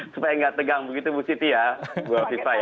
supaya nggak tegang begitu bu siti ya bu afifa ya